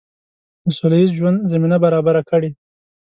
د سوله ییز ژوند زمینه برابره کړي.